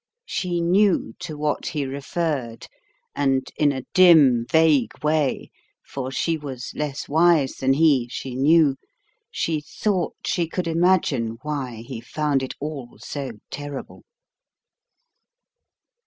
She knew to what he referred, and in a dim, vague way (for she was less wise than he, she knew) she thought she could imagine why he found it all so terrible.